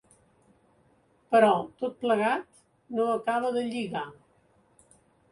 Però tot plegat no acaba de lligar.